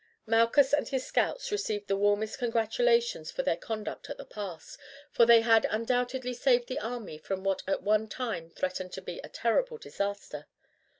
Malchus and his scouts received the warmest congratulations for their conduct at the pass, for they had undoubtedly saved the army from what had at one time threatened to be a terrible disaster.